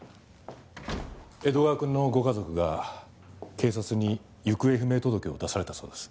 江戸川くんのご家族が警察に行方不明届を出されたそうです。